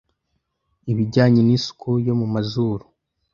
ibijyanye n'isuku yo mu mazuru,